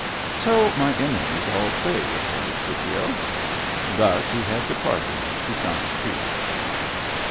"So my enemies all say," retorted Scipio. Thus had he departed to Sunk Creek.